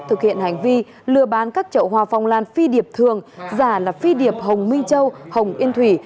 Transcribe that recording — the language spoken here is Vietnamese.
thực hiện hành vi lừa bán các chậu hoa phong lan phi điệp thường giả là phi điệp hồng minh châu hồng yên thủy